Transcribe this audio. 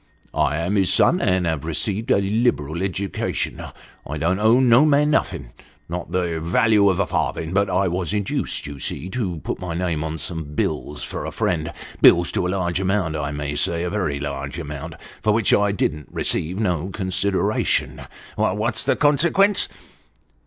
" I am his son, and have received a liberal education. I don't owe no man nothing not the value of a farthing, but I was induced, you see, to put my name to some bills for a friend bills to a largo amount, I may say a very large amount, for which I didn't receive no consideration. What's the consequence